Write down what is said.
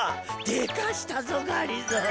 でかしたぞがりぞー。